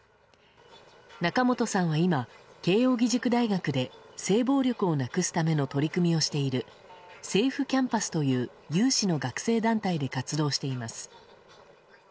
中本さんは今、慶應義塾大学で性暴力をなくすための取り組みをしているＳａｆｅＣａｍｐｕｓという有志の学生団体で活動しています。